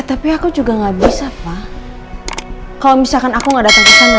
tapi aku juga gak bisa pak kalau misalkan aku gak datang ke sana